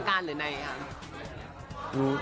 นอกนอกกันหรือไหนครับ